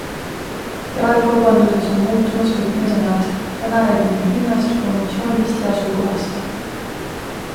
Jaekaubanduses on muutumas võtmesõnad - täna räägime hinnast, promotsioonist ja asukohast.